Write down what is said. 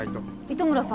糸村さん